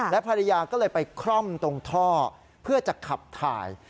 และภรรยาก็เลยไปคร่อมตรงท่อเพื่อจะขับถ่าย